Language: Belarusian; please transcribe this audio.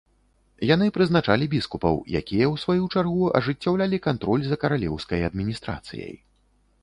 Яны прызначалі біскупаў, якія, у сваю чаргу, ажыццяўлялі кантроль за каралеўскай адміністрацыяй.